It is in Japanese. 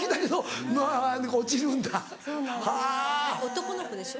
男の子でしょ？